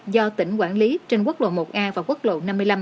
do tỉnh quản lý trên quốc lộ một a và quốc lộ năm mươi năm